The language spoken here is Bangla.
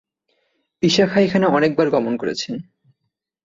ঈশা খাঁ এখানে অনেকবার গমন করেছেন।